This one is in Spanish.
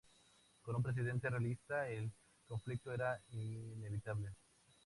Con un presidente realista, el conflicto era inevitable.